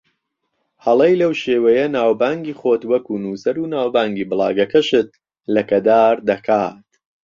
هەڵەی لەو شێوەیە ناوبانگی خۆت وەکو نووسەر و ناوبانگی بڵاگەکەشت لەکەدار دەکات